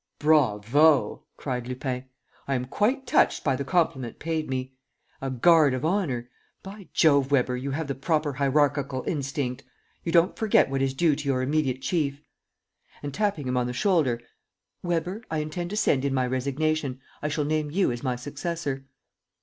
"Bravo!" cried Lupin. "I am quite touched by the compliment paid me. A guard of honor. By Jove, Weber, you have the proper hierarchical instinct! You don't forget what is due to your immediate chief." And, tapping him on the shoulder: "Weber, I intend to send in my resignation. I shall name you as my successor."